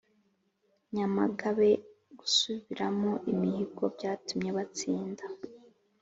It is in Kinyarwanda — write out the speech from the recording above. Nyamagabe gusubiramo imihigo byatumye batsinda